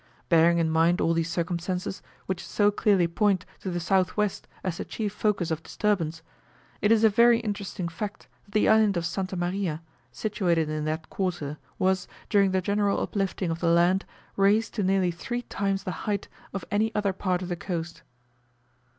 Bearing in mind all these circumstances, which so clearly point to the S.W. as the chief focus of disturbance, it is a very interesting fact that the island of S. Maria, situated in that quarter, was, during the general uplifting of the land, raised to nearly three times the height of any other part of the coast.